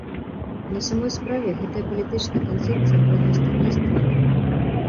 На самай справе, гэтая палітычная канцэпцыя прыносіць адны страты.